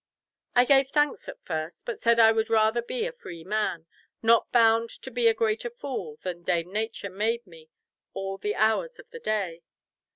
I gave thanks at first, but said I would rather be a free man, not bound to be a greater fool than Dame Nature made me all the hours of the day.